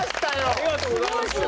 ありがとうございます。